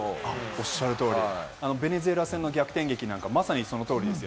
おっしゃる通り、ベネズエラ戦の逆転勝利なんて、まさにその通りです。